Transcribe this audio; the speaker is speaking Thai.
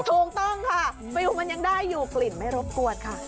ถูกต้องค่ะฟิวมันยังได้อยู่กลิ่นไม่รบกวนค่ะ